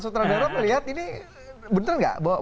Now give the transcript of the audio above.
sutradara melihat ini benar nggak